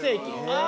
ああ！